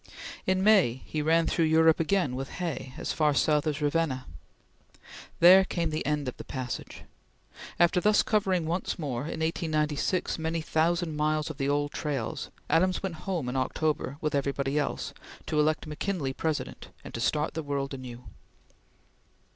In May he ran through Europe again with Hay, as far south as Ravenna. There came the end of the passage. After thus covering once more, in 1896, many thousand miles of the old trails, Adams went home in October, with every one else, to elect McKinley President and start the world anew.